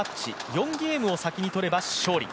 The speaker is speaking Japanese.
４ゲームを先に取れば勝利。